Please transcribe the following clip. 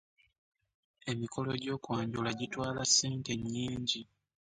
Emikolo gy'okwanjula gitwala ssente nnyingi.